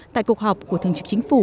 tại cuộc họp của thành trực chính phủ